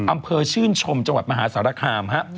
อำเภอชื่นชมจังหวัดมหาสารคามฮะ